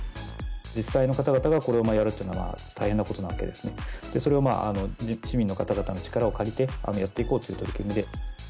自治体の方々がこれをやるっていうのは、大変なことなので、それを市民の方々の力を借りて、やっていこうという取り組みで。